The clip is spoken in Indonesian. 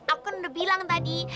aku udah bilang tadi